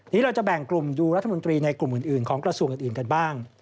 เราจะแบ่งกลุ่มดูรัฐมนตรีในกลุ่มอื่นของกระทรวงอื่นกันบ้าง